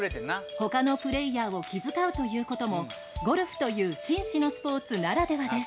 他のプレーヤーを気遣うということもゴルフという紳士のスポーツならではです。